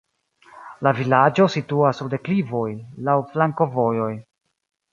La vilaĝo situas sur deklivoj, laŭ flankovojoj.